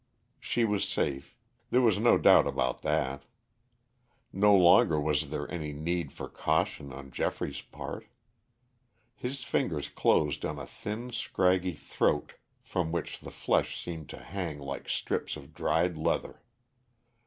She was safe. There was no doubt about that. No longer was there any need for caution on Geoffrey's part. His fingers closed on a thin scraggy throat from which the flesh seemed to hang like strips of dried leather.